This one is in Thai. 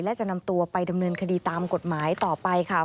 และจะนำตัวไปดำเนินคดีตามกฎหมายต่อไปค่ะ